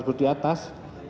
sebenarnya tersebut di atas